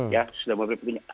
ya sudah berpikirnya